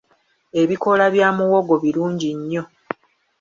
Ebikoola bya muwogo birungi nnyo.